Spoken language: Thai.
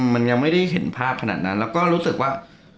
มันยังไม่ได้เห็นภาพขนาดนั้นแล้วก็รู้สึกว่า